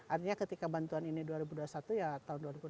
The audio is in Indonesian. artinya ketika bantuan ini dua ribu dua puluh satu ya tahun dua ribu dua puluh